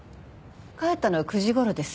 帰ったのは９時頃です。